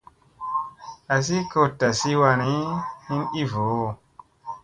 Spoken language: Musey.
Azi kot tazi wani, hin i voo.